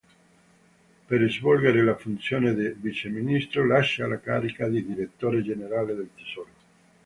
Per svolgere la funzione di Viceministro, lascia la carica di Direttore generale del Tesoro.